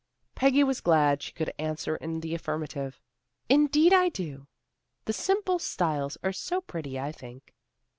Peggy was glad she could answer in the affirmative. "Indeed, I do. The simple styles are so pretty, I think."